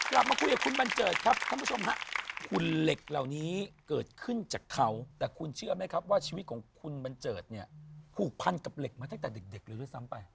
กลับมาคุยกับคุณบันเจิดครับท่านผู้ชมฮะคุณเหล็กเหล่านี้เกิดขึ้นจากเขาแต่คุณเชื่อไหมครับว่าชีวิตของคุณบันเจิดเนี่ยผูกพันกับเหล็กมาตั้งแต่เด็กเลยด้วยซ้ำไป